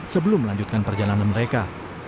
sebelum melanjutkan perjalanan mereka